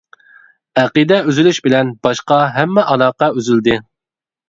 ئەقىدە ئۈزۈلۈش بىلەن باشقا ھەممە ئالاقە ئۈزۈلدى.